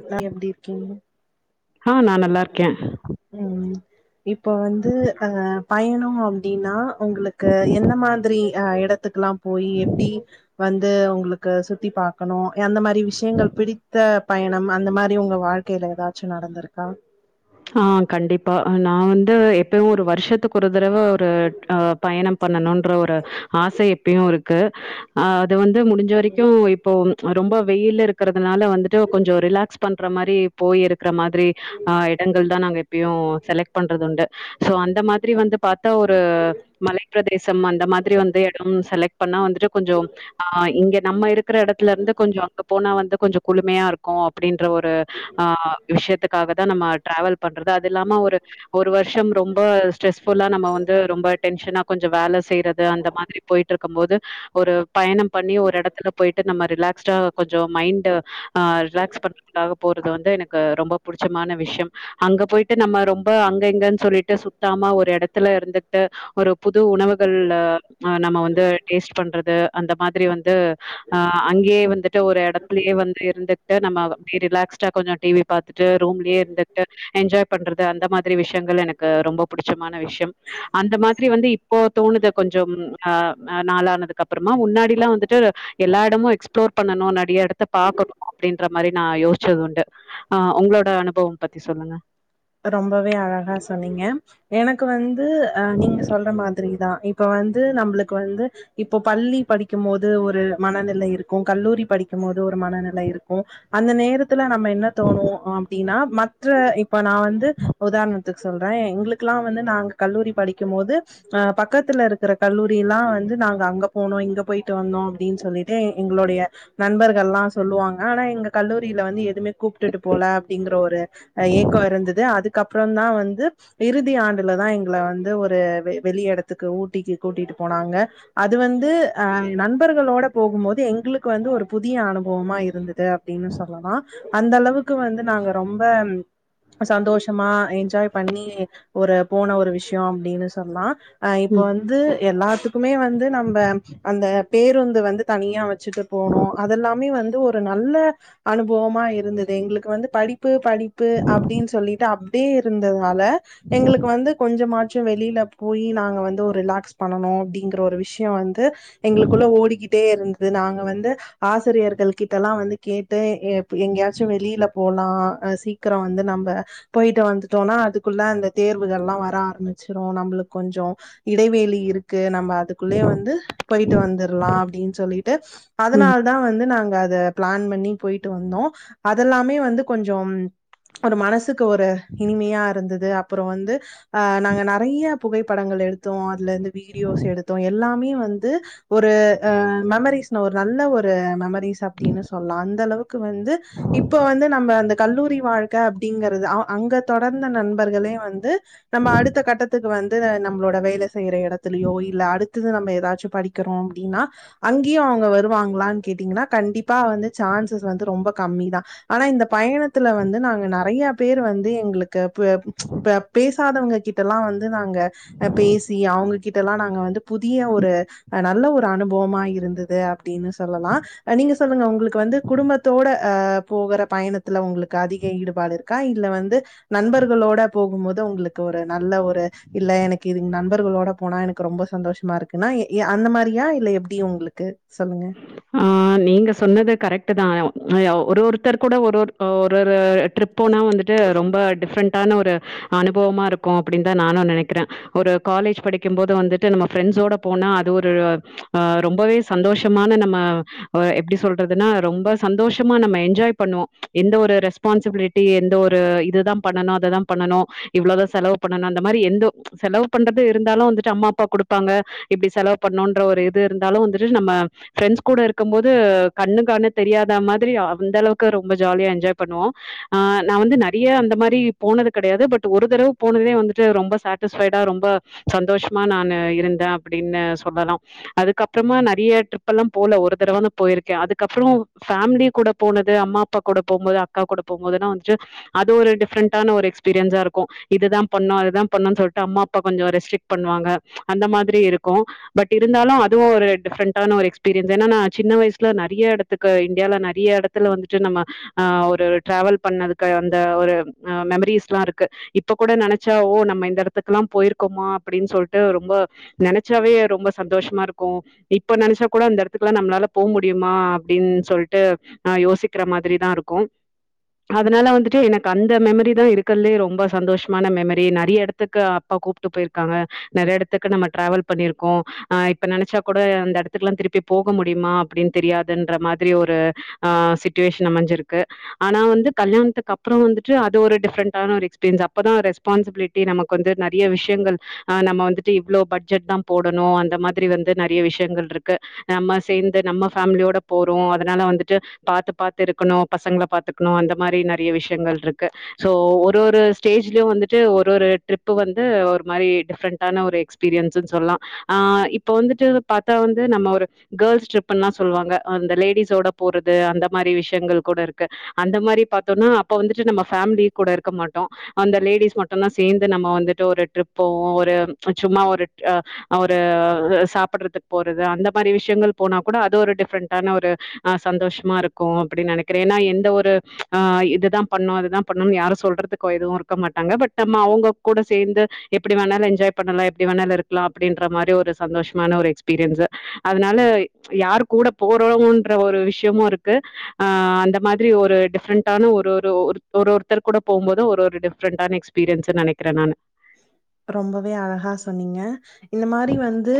ண்ணா எப்டிருக்கீங் ஆ நா நல்லாருக்கே ம் இப்போ வந்து அ பயணம் அப்டின்னா உங்களுக்கு எந்த மாதிரி அ எடத் த்துக்கெல்லா போய்யி எப்டி வந்து உங்களுக்கு சுத்தி பா இருக்கனு அந்த மாரி விஷயங்கள் பிடித்தபயணம் அந்த மாரி உங்க வாழ்க்கையில ஏதாச்சு நடந்திருக் கா ஆ கண்டிப்பா நா வந்து எப்பயோ ஒரு வருஷத்துக்கு ஒரு தடவ ஒரு அ பயணம் பண்ணணும்ன்ற ஒரு ஆச எப்புயு இருக்கு அ அது வந்து முடிஞ்ச வரைக்கு இப்போ ரொம்ப வெயில் இருக்கறதுனால வந்துட்டு கொஞ்ச ரிலாக்ஸ் பண்ற மாரி போயிருக் க்கிற மாதிரி ஆ பெண்கள்தா நாங்க எப்பயு செலக்ட் பண்றதுண்டு சோ அந்த மாதிரி வந்து பாத்தா ஒரு மலை [inaudible] பிரதேசம் அந்த மாதிரி வந்து எடோ செலக்ட் இப்பண்ணா வந்துட்டு கொஞ்ச ஆ இங்க நம்ம இருக்கிற எடத்துலருந்து கொஞ்ச அங்க போனா வந்து கொஞ்ச குழுமையா இருக்கு அப்டின்ற ஒரு ஆ விஷயத்துக்காகதா நம்ம டிராவல் பண்றது. அது இல்லாம ஒரு ஒரு வருஷம் ரொம்ப ஸ்ட்ரெஸ்ஃபுல்லா நம்ம வந்து ரொம்ப டென்ஷனா கொஞ்சம் வேல செய்றது அந்த மாதிரி போயிட்டு இருக்கும்போது ஒரு பயண பண்ணி ஒரு எடத்துல போயிட்டு நம்ம ரிலாக்ஸ்டா கொஞ்ச மைண்ட் ஆ ரிலாக்ஸ் பண் க்காக போறது வந்து எனக்கு ரொம்ப புடிச்சமான விஷயம் அங்க போயிட்டு நம்ம ரொம் அங்க இங்கன்னு சொல்லிட்டு சுத்தாம ஒரு எடத்துல இருந்துட்டு ஒரு புது உணவுகள் நம்ம வந்து டேஸ்ட் பண்றது அந்த மாதிரி வந்து ஆ அங்கேயே வந்துட்டு ஒரு எடத்துலயே வந்து இருந்துட்டு நம்ம அப்பே ரிலாக்ஸ்டா கொஞ்ச டி வி பா ந்துட்டு ரூம்லயே இருந்து என்ஜாய் பண்றது அந்த மாதிரி விஷயங்கள் எனக்கு ரொம்ப புடிச்சமான விஷயம் அந்த மாதிரி வந்து தோணுது கொஞ்சம் ஆ நாளானதுக்கப்பறமா முன்னாடில்லா வந்துட்டு எல்லா எடமு எக்ஸ்ப்ளோர் பண்ணனு நெறய எடத்த பாக்கணு அப்டின்ற மாரி நா யோசிச்சதுண்டு ஆ உங்களோட அனுபவம் பத்தி சொல்லுங்க ரொம்பவே அழகா சொன்னீங்க எனக்கு வந்து அ நீங்க சொல்ற மாதிரிதா இப்ப வந்து நம்மளுக்கு வந்து இப்போ பள்ளி படிக்கும் போது ஒரு மனநிலை இருக்கும் கல்லூரி ப இருக்கும் போது ஒரு மனநிலை இருக்கு அந்த நேரத் த்துல நம்ம என்ன தோணு அப்படின்னா மற்ற இப்ப நா வந்து உதாரணத்துக்கு சொல்றே எங்களுக்கெல்லா வந்து நாங்க கல்லூரி படிக்கும் போது அஹ பக்கத்துல இருக்கிற கல்லூரில்லா வந்து நாங்க அங்க போனோ இங்க போயிட்டு வந்தோ அப்டின்னு சொல்லிட்டு எங்களுடைய நண்பர்கள்லா சொல்லுவாங்க ஆனா எங்க கல்லூரிய வந்து எதுவுமே கூப்ட்டுட்டு போல அப்டிங்கற ஒரு ஏக் அதுக்கப்புறந்தா வந்து இறுதி ஆண்டுல தா எங்கள வந்து ஒரு வெ வெளி எடத்துக்கு ஊட்டிக்கு கூட்டிட்டு போனாங்க அது வந்து அ நண்பர்களோட போகும்போது எங்களுக்கு வந்து ஒரு புதிய ஆ அனுபவமா இருந்தது அப்படின்னு சொல்லலா அந்த அளவுக்கு வந்து நாங்க ரொம்ப சந்தோஷமா என்ஜாய் பண்ணி ஒரு போன ஒரு விஷய அப்டின்னு சொல்லா அ இப்போ ம். வந்து எல்லாத்துக்குமே வந்து நம்ம அந்த பேருந்து வந்து தனியா வச் சட்டு போனோ அதெல்லாமே வந் து ஒரு நல்ல அனுபவமா இருந்தது எங்களுக்கு வந்து படிப்பு படிப் பு அப்டின்னு சொல்லிட்டு அப்டியே இருந்ததால எங்களுக்கு வந்து கொஞ்சமாச்சு வெளியில போய்யி நாங்க வந்து ஒரு ரிலாக்ஸ் பண்ணனும் அப்படிங்கற ஒரு விஷயம் வந்து எங்களுக்குள்ள ஓடிக்கிட்டே இருந்தது நாங்க வந் வந்து ஆசிரியர்கள் கிட்டல்லா வந்து கேட்டு எங்கயாச்சு வெளியில போலா க்கற வந்து நம்ம போயிட்டு வந்துட்டோம்னா அதுக்குள்ள அந்த தேர்வுகள்ல்லா வர ஆரம்மிச்சிரு நம்மளுக் கொஞ்ச இடைவேளி இருக்கு நம்ம அதுக்குள்ளே வந்து போயிட்டு வந்துரலா அப்படின்னு சொல்லிட் டு ம். அதனால தா வந்து நாங்க அத பிளான் பண்ணி போயிட்டு வந்தோம் அதெல்லாமே வந்து கொஞ்சம் ஒரு மனசுக்கு ஒரு இனிமையா இருந்தது அப்புறம் வந்து ஆ நாங்க நிறைய புகைப்படங் உங்கள்த எடுத்தோம் அதுல இருந்து வீடியோஸ் எடுத்தோம் எல்லாமே வந்து ஒரு மெமரிஸ் ஒரு நல் நல்ல ஒரு மெமரீஸ் அப்படின்னு சொல்லலாம் அந்த அளவுக்கு வந்து இப்ப வந்து நம்ம அந்த கல்லூரி வாழ்க அப்படிங்கிறது அங்க தொடர்ந்த நண்பர்களே வந்து நம்ம அடுத்த கட்டத்துக்கு வந்து நம்மளோட வேலை செய்யற இடத்துலயோ இல்ல அடுத்தது நம்ம ஏதாச்சும் படிக்கிறோம் அப்படின்னா அங்கேயும் அவங்க வந் வருவாங்களான்னு கேட்டீங்கன்னா கண்டிப்பா வந்து சான்சஸ் வந்து ரொம்ப கம்மி தான் ஆனா இந்த பயணத்தில வந்து வந்து நாங்க நறைய பேர் வந்து எங்களுக்கு இப்ப இப்ப பேசாதவங்க கிட்ட எல்லாம் வந்து நாங்க பேசி அவங்ககிட்ட எல்லாம் நாங்க வந்து புதிய ஒரு நல்ல ஒரு அனுபவமா இருந்தது அ அப்படின்னு சொல்லலாம் நீங்க சொல்லுங்க உங்களுக்கு வந்து குடும்பத்தோட ஆ போகற பயணத்துல உங்களுக்கு அதிக ஈடுபாடு இருக்கா இல்ல வந்து நண்பர்களோட போகும்போது உங்களுக்கு ஒரு நல்ல ஒரு இல்ல எனக்கு இது நண்பர்களோட போனா எனக்கு ரொம்ப சந்தோஷமா இருக்குன்னா அந்த மாதிரியா இல்ல எப்படி உங்களுக்கு சொல்லுங்க. ஆ நீங்க சொன்னது கரெக்ட்டுதான் ஒரு ஒருத்தர் கூட ஒரு ஒரு ஒரு ஒரு ட்ரிப்பேனா வந்துட்டு ரொம்ப டிஃப்ரெண்ட் டான ஒரு அனுபவமா இருக்கும் அப்படின்னு தான் நானும் நினைக்கிறேன் ஒரு காலேஜ் படிக்கும்போது வந்துட்டு நம்ம பிரெண்ட்ஸ் சோட போனா அது ஒரு ரொம்பவே சந்தோஷமான நம்ம எப்படி சொல்றதுன்னா ரொம்ப சந்தோஷமா நம்ம என்ஜாய் பண்ணுவோம் எந்த ஒரு ஒரு ரெஸ்பான்சிபிலிட்டி எந்த ஒரு இதுதான் பண்ணனும் அததான் பண்ணனும் இவ்வளவு செலவு பண்ணும் அந்த மாதிரி எந்த செலவு பண்றது இருந்தாலும் வந்துட்டு அம்மா அப்பா கொடுப்பாங்க இப்படி செலவு பண்ணுன்ற ஒரு இது இருந்தாலும் வந்துட் றுநம்ம பிரெண்ட்ஸ் கூட இருக்கும் போது கண்ணுக்கானு தெரியாத மாதிரி அந்த அளவுக்கு ரொம்ப ஜாலியஎன் என்ஜாய் பண்ணுவோம் ஆஹ் நான் வந்து நிறைய அந்த மாதிரி போனது கிடையாது பட் ஒரு தடவு போனதே வந்துட்டு ரொம்ப சாட்டிஸ்பைடா ரொம்ப சந்தோஷமா நான் இருந்தேன் அப்படின்னு சொல்லலாம் அதுக்கப்புறமா ந பி ஏ ட்ரிப் எல்லாம் போல ஒரு தடவ தான் போயிருக்கே அதுக்கப்புறம் ஃபேமிலி கூட போனது அம்மா அப்பா கூட போம்போது அக்கா கூட போம்போதுான்ன வந்துட்டு அது ஒரு டிஃப்ரெண்டான ஒரு எக்ஸ்பீரியன்ஸா இருக்கும் இதுதான்பண்ணு அதான்பண்ணு சொல்ட்டு அம்மா அப்பா கொஞ்சம் ரெஸ்ட்ரிக்ட் பண்ணுவாங்க அந்த மாதிரி இருக்கும் பட் இருந்தாலும் அதுவும் ஒரு டிஃர் டன் ஒரு எஸ்பீரியன்ஸ் என்ன நா சின்ன வயசுல நிறைய இடத்துக்கு இந்தியில நிறைய இடத்துல வந்துட்டு நம்ம ஆ ஒரு டிராவல் பண்ணதுக்கு அந்த ஒரு மெமரிஸ் எல்லாம் இருக்கு இப்ப கூட நினைச்சா ஓ நம்ம இந்த இடத் துக்குல்லாம் போயிருக்கோமா அப்படின்னு சொல்ட்டு ரொம்ப நினைச்சாவே ரொம்ப சந்தோஷமா இருக்கும் ட் இப்ப நினைச்சா கூட அந்த இடத்துக்குலாம் நம்மளால போக முடியுமா அப்படின்னு சொல்லிட்டு யோசிக்கிற மாதிரி தான் இருக்கும் அதனால வந்துட்டு எனக்கு அந்த மெமரி தான் இருக்கதுலே ரொம்ப சந்தோஷமான மெமரி நிறைய இடத்துக்கு அப்ப கூப்பிட்டு போயிருக்காங்க நிறைய இடத்துக்கு நம்ம டிராாவல் பண்ணிருக்கோம் இப்ப நினைச்சா கூட அந்த இட இடத்துக்கலாம் திருப்பி போக முடியுமா அப்படின்னு தெரியாதுன்ற மாதிரி ஒரு ஆ சுச்சிவேஷன் அமைஞ்சிருக்கு ஆனா வந்து கல்யணத்துக்கு அப்புறம் வந்துட்டு அது ஒரு டிபரண்டான ஒரு எஸ்பரியன்ஸ் அப்பதான் ஒரு ரெஸ்பான்சிபிலிட்டி நமக்குகொ வந்து நிறைய விஷயங்கள்ஹ் நம்ம வந்துட்டு இவ்வளோ பட்ஜெட் தான் போடணும் அந்த மாதிரி வந்து நிறைய விஷயங்கள் இருக் க்கு நம்ம சேர்ந்து நம்ம ஃபேமிலியோட போறோம் அதனால வந்துட்டு பாாரத்து பாாரத்து இருக்கணும் பசங்களை பாத் க்கணும் அந்த மாதிரி நிறைய விஷயங்கள் இருக்கு சோ ஒரு ஒரு ஸ்டேஜ்லயும் வந்துட்டு ஒரு ஒரு ட்ரிப் வந் வந்து ஒரு மாதிரி டிஃப்ரெண்டான ஒரு எக்ஸ்பீரியன்ஸ்னு சொல்லாம் ஆ இப்ப வந்துட்டு பார்த்தா வந் வந்து நம்ம ஒரு கேள்ஸ் ட்ரிப்பின்ல சொல்லுவாங்க அந்த லேடிஸோட போறது அந்த மாதிரி விஷயங்கள் கூட இருக்கு அந்த மாதிரி பாத்தோனா அப்ப வந்துட்டு நம்ம பேமிலி கூட இருக்க மாட்டோம் அந்த லேடிஸ் மட்டும்தான் சேர்ந்து நம்ம வந்துட்டு ஒரு டிரிப் போவோம் ஒரு சும்மா ஒரு ஒரு சாப்புடுறதுக்கு போ அந்த மாதிரி விஷயங்கள் போனா கூட அது ஒரு டிஃப்ரெண்டான ஒரு் சந்தோஷமா இருக்கும் அப்படின்னு நினைக்கிறேன் ஏன்னா இந்த ஒரு ஆ இதுதான் பண்ணும் அதுதான் பண்ணும்னு யாரும் சொல்றதுக்கு எதுவும் இருக்க மாட்டாங்க பட் நம்ம அவுங்க கூட சேர்ந்து எப்படி வேணாலும் என்ஜாய் பண்ணலாம் எப்படி வேணாலும் இருக்கலாம் அப்படின்ற மாதிரி ஒரு சந்தோஷமான ஒரு எக்ஸ் பிரன்ஸ் அதனால யார் கூட போறோம்ன்ற ஒரு விஷயமும் இருக்கு ஆ அந்த மாதிரி ஒரு டிஃப்ரெண்டான ஒரு ஒரு ஒரு ஒருத்தர் கூட போகும் போதும் ஒரு ஒரு டிஃப்ரெண்டான எக்ஸ்பீரியன்ஸ்ன்ன நினைகிறன் நானு ரொம்பவே அழகா சொன்னீங்க இந்த மாரி வந்து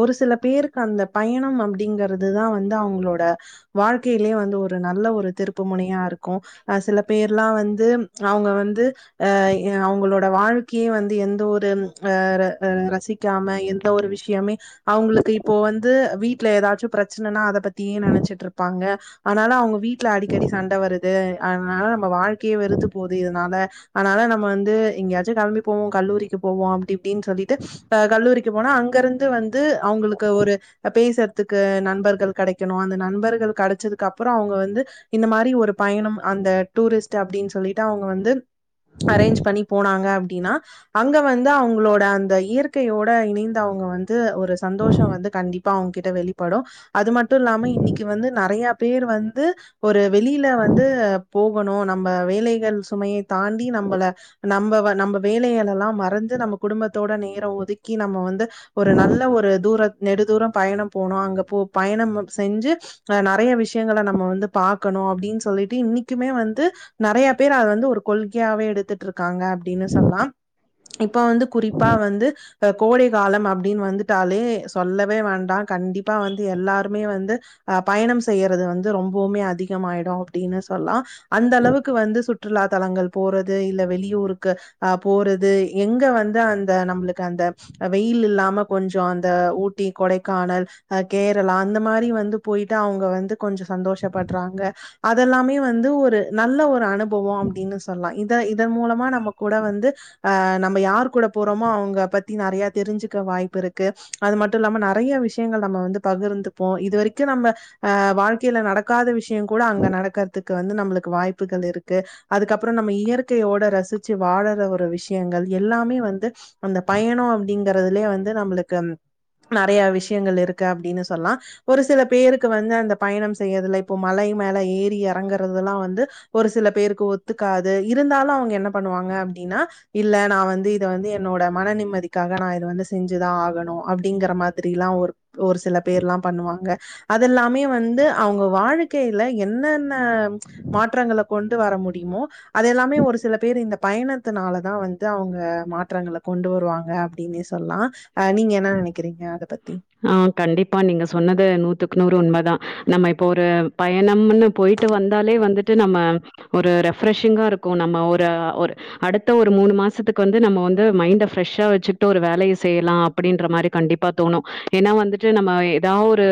ஒரு சில பேருக்கு அந்த பயணம் அப்டிங்கறிறது தான் வந்து அவங்களோட வாழ்க்கையிலேயே வந்து ஒரு நல்ல ஒரு திருப்பு முனியா இருக்கும் சில பேர்லாம் வந்து அவங்க வந்து ஆ அவங்களோட வாழ் கே வந்து எந்த ஒரு ஆ ரசிக்காம எந்த ஒரு விஷயமே அவங்களுக்கு இப்போ வந்து வீட் வீட்ல ஏதாச்சு பிரச்சனைன்னா அதை பத்தியே நெனச்சிட்டு இருப்பாங்க ஆனால அவங்க வீட்டுல அடிக்கடி சண்ட வருது அதனால நம்ம வாழ்க்கையே வெறுத்து போது இதனால அதனால நம்ம வந்து எங்கேயாச்சும் கெளம்பி போவோ கல்லூரிக்கு போவோ அப்டி இப்டின்னு சொல்லிட்டு கல்லூரிக்கு போனா அங்கிருந்து வந்து து அவங்களுக்கு ஒரு பேச துக்கு நண்பர்கள் கிடைக்கணு அந்த நண்பர்கள் கடச்சதுக்கு அப்புறம் அவங்க வந்து இந்த மாரி ஒரு பயணம் அந்த டூரிஸ்ட் அப்படின் சொல்லிட்டு அவங்க வந்து அரேஞ்ச் பண்ணி போனாங்க அப்டின்னா அங்க வந்து அவங்களோட அந்த இயற்கையோட இணைந்து அவங்க வந்து ஒரு சந்தோஷ வந்து கண்டிப் ப்பா அவங்க கிட்ட வெளி படு அது மட்டு இல்லாம இன்னிக்கு வந்து நெறய பேர் வந்து ஒரு வெளியில வந்து போ கணு நம்ப வேலைகள் சுமைய தாண்டி நம்மள நம்ப நம்ப வேலைகள் எல்லா மறந்து நம்ம குடும்பத்தோட நேர ஒதுக்கி நம்ம வந்து ஒரு நல்ல ஒரு தூரத் நெடுதூரம் பயணம் போணு அங்க போ பயணம் செஞ்சு நெறைய விஷயங்கள நம்ம வந்து பாக்கணு அப்டின்னு சொல்லிட்டு இன்னிக்குமே வந்து நெறய பேர் அது வந்து ஒரு கொள்கையாவே எடுத்துட்டு இருக்காங்க அப்படின்னு சொல்லி சொல்லா இப்ப வந்து குறிப்பா வந்து கோடை காலம் அப்டின்னு வந்துட்டாலே சொல்லவே வேண்டா கண்டிப்பா வந்து எல்லாருமே வந்து அ பயணம் செய்யறது வந்து ரொம்பவுமே அதிகமாயிடு அப்டின்னு சொல்லா அந்த அளவுக்கு வந்து சுற்றுலா தலங்கள் போறது இல்ல வெளியூருக்கு அ போறது எங்க வந்து அந்த நம்புளுக்கு அந்த வெயில் இல்லாம கொஞ்சோ அந்த ட்டி கொடைக்கானல் கேரளா அந்த மாரி வந் போய்ட்டு அவுங்க வந்து கொஞ்சோ சந்தோஷப்படுறாங்க அதெல்லாமே வந்து ஒரு நல்ல ஒரு அனுபவோ அப்டின்னு சொல்லா இத மூலமா நமக் குட வந்து அ நம்ம யார் குட போறோமோ அவுங்க பத்தி நெறயா தெரிஞ்சிக்க வாய்ப்புருக்கு அது மட்டு இல்லாம நெறய விஷயங்கள் நம்ம வந்து பகிர்ந்துப்போ இதுவரக்கு நம்ப வாழ்க்கயில நடக்காத விஷயங் குட அங்க நடக்கறத்துக்கு வந்து நம்புளுக்கு வாய்ப்புகள் ருக்கு அதுக்கப்புறோ நம்ப இயற்கையோட ரசி வாழற ஒரு விஷ்யங்கள் எல்லாமே வந்து அந்த பயணோ அப்டிங்கறதுலயே வந்து நம்பளுக்கு நறயா விஷயங்கள் இருக்கு அப்படின்னு சொல்லா ஒரு சில பேருக்கு வந்து அந்த பயணம் செய்யறதுல இப்போ மலை மேல ஏறி எறங்கற்தெல்லா வந்து ஒரு சில பேருக்கு ஒத்துக்காது இருந்தாலு அவுங்க என்னப் பண்ணுவாங்க அப்டின்னா இல்ல நா வந்து இத வந்து என்னோட மன நிம்மதிக்காக நா இத வந்து செஞ்சிதா ஆகணு அப்படிங்கற மாதிரில்லா ஒரு ஒரு சில பேர்ல்லா பண்ணுவாங்க அதெல்லாமே வந்து அவங்க வாழை கையில என்னென்ன மாற்றங்கள கொண்டு வர முடியுமோ அத எல்லாமே ஒரு சில பேரு இந்த பயணத்தினாலதா வந்து அவூங்க மாற்றங்கள கொண்டு வருவாங்க அப்டின்னே சொல்லா நீங்க என்ன நெனக்கிறீங்க அத பத் ஆ கண்டிப்பா நீங்க சொன்னது நூத்துக்கு நூறு உண்ம தா நம்ம இப்ப ஒரு பயணம்னு போயிட்டு வந்தாலே வந்துட்டு நம்ம ஒரு ரெஃப்ரெஷிங்கா ருக்கு நம்ம ஒரு ஒரு அடுத்த ஒரு மூணு மாசத்துக்கு வந்து நம்ம வந்து மைண்ட பிரெஷ்ஷா வச்சிட்டு ஒரு வேலய செய்யலா அப்படின்ற மாரி கண்டிப்பா தோணு ஏன்னா வந்துட்டு நம்ம ஏதாவ் ஒரு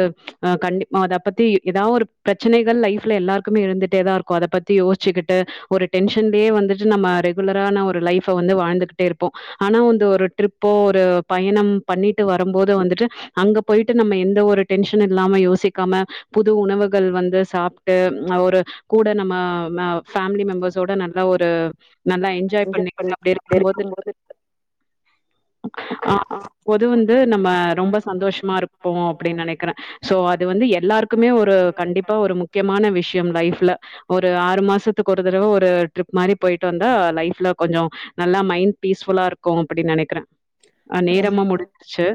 கண்டி அத பத்தி ஏதாவ் ஒரு பிரச்சனைகள் லைஃப்ல எல்லா மே இருந்துட்டே தா ருக்கு அத பத்தி யோஸ்சிக்கிட்டு ஒரு டென்ஷன்லயே வந்துட்டு நம்ம ரெகுலரான ஒரு லைஃப் வந் வந்து வாழ்ந்துகிட்டே ருப்போ ஆனா வந்து ஒரு ட்ரிப்போ ஒரு பயணம் பண்ணிட்டு வரும்போது வந்துட்டு அங்க போய்ட்டு நம்ம எந்த ஒரு டென்ஷன் இல்லாம யோசிக்காம புது உணவுகள் வந்து சாப்ட்டு ஒரு கூட நம்ம ஃபேம்லி மெம்பர்ஸ் ட நல்லா ஒரு நல்லா எஞ்ஜாய் பண்ணிட்டு அப்டி ருக்கும்போது ஆ பொது வந்து நம்ம ரொம்ப சந்தோஷ்மா ருப்போ அப்டி நெனக்கிற சோ அது வந்து எல்லாருக்குமே ஒரு கண்டிப்பா ஒரு முக்கியமான விஷ்யம் லைஃப்ல ஒரு ஆறு மா மாசத்துக்கு ஒரு தடவ ஒரு ட்ரிப் மாரி போய்ட்டு வந்தா லைஃப்ல கொஞ்சோ நல்லா மைண்ட் பீஸ்ஃபுல்லா ருக்கு அப்டின்னு டி நெனக்ற ஆ ரொம்ப நேரமு முடிஞ்சிருச்சி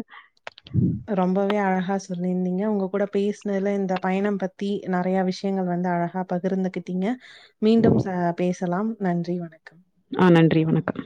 ரொம்பவே அழகா சொல்லிருந்தீங்க உங்க கூட பேசுனதுல இந்த பயணம் பத்தி நறயா விஷயங்கள் வந் து அழகா பகிர்ந்துகிட்டீங்க மீண்டும் பேசலாம் நன்றி வணக்கம் ஆ நன்றி வணக்கம்